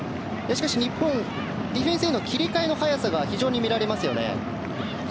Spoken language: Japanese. しかし、日本はディフェンスへの切り替えの早さが非常に見られますよね。